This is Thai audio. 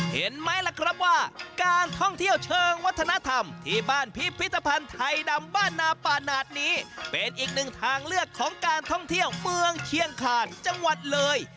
เห็นไหมล่ะครับว่าการท่องเที่ยวเชิงวัฒนธรรมที่บ้านพิพิธภัณฑ์ไทยดำบ้านนาป่าหนาดนี้เป็นอีกหนึ่งทางเลือกของการท่องเที่ยวเมืองเชียงคาญจังหวัดเลย